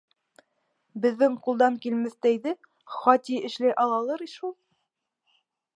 Беҙҙең ҡулдан килмәҫтәйҙе Хати эшләй алалыр шул?!